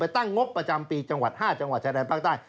ตั้งงบประจำปีจังหวัด๕จังหวัดชายแดนภาคใต้